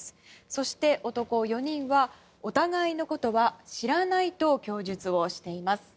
そして男４人はお互いのことは知らないと供述をしています。